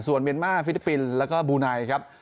ส่วนเมียนมาร์ฟิลิปปินส์แล้วก็บูไนครับ